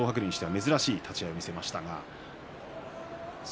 珍しい立ち合いを見せました。